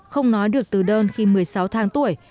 không nói được từ đơn khi một mươi sáu tháng tuổi